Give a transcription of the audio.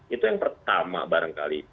itu yang pertama barangkali